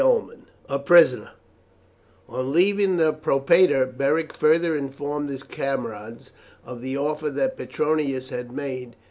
CHAPTER XI: A PRISONER On leaving the propraetor Beric further informed his comrades of the offer that Petronius had made.